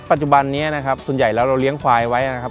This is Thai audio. ปัจจุบันนี้นะครับส่วนใหญ่แล้วเราเลี้ยงควายไว้นะครับ